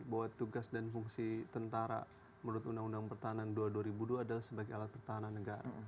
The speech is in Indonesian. bahwa tugas dan fungsi tentara menurut undang undang pertahanan dua ribu dua adalah sebagai alat pertahanan negara